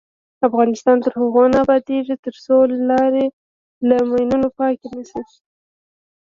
افغانستان تر هغو نه ابادیږي، ترڅو لارې له ماینونو پاکې نشي.